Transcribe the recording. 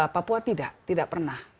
papua tidak tidak pernah